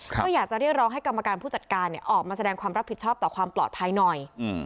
ก็อยากจะเรียกร้องให้กรรมการผู้จัดการออกมาแสดงความรับผิดชอบต่อความปลอดภัยหน่อย